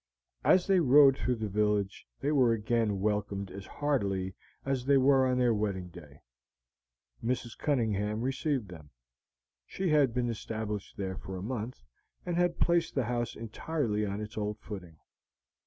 As they rode through the village they were again welcomed as heartily as they were on their wedding day. Mrs. Cunningham received them; she had been established there for a month, and had placed the house entirely on its old footing.